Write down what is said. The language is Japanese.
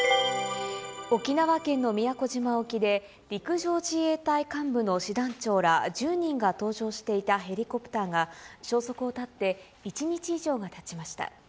沖縄県の宮古島沖で、陸上自衛隊幹部の師団長ら１０人が搭乗していたヘリコプターが、消息を絶って１日以上がたちました。